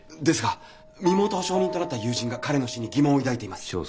ですが身元保証人となった友人が彼の死に疑問を抱いています。